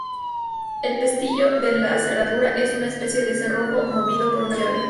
El "pestillo" de la cerradura es una especie de cerrojo movido por una llave.